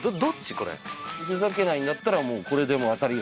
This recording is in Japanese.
これふざけないんだったらもうこれで当たりよ